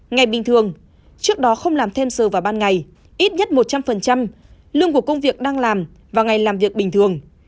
ngày bình thường trước đó không làm thêm giờ vào ban ngày ít nhất một trăm linh lương của công việc đang làm và ngày làm việc bình thường